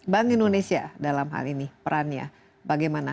bank indonesia dalam hal ini perannya bagaimana